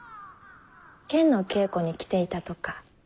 剣の稽古に来ていたとか。